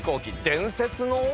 伝説の。